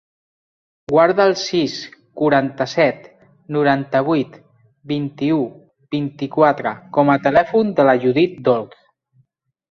Guarda el sis, quaranta-set, noranta-vuit, vint-i-u, vint-i-quatre com a telèfon de la Judit Dolz.